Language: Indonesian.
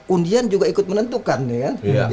undian juga ikut menentukan nih kan